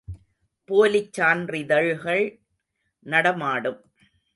போலிச் சான்றிதழ்கள் நடமாடும்.